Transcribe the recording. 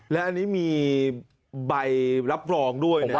แล้วอันนี้มีใบรับรองด้วยนะ